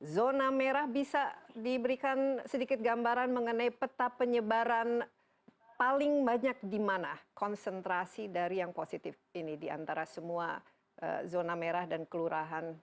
zona merah bisa diberikan sedikit gambaran mengenai peta penyebaran paling banyak di mana konsentrasi dari yang positif ini di antara semua zona merah dan kelurahan